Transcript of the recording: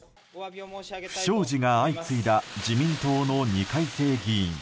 不祥事が相次いだ自民党の２回生議員。